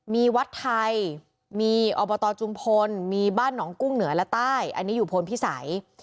มีวัดไทยมีอบตจุมพลมีบ้านหนองกุ้งเหนือและใต้อันนี้อยู่พลพิสัย